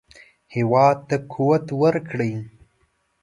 هېواد ته قوت ورکړئ